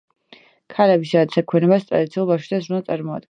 ქალების ძირითად საქმიანობას ტრადიციულად ბავშვებზე ზრუნვა წარმოადგენს.